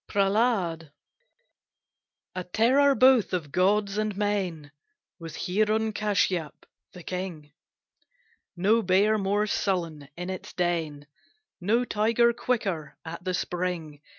PREHLAD. A terror both of gods and men Was Heerun Kasyapu, the king; No bear more sullen in its den, No tiger quicker at the spring.